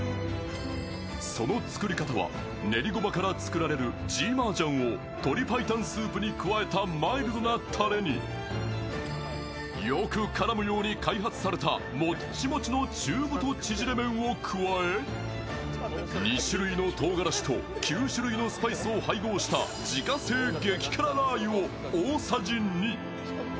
その作り方は練りごまから作られるジーマージャンを鶏白湯スープに加えたマイルドなたれに、よく絡むように開発されたもっちもちの中太ちぢれ麺を加え２種類のとうがらしと９種類のスパイスを配合した自家製激辛ラー油を大さじ２。